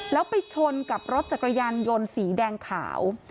แล้วไปชนกับรถจักรยานยนต์สีแดงขาว